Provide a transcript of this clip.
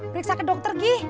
periksa ke dokter gi